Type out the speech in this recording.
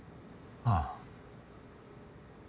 ああ。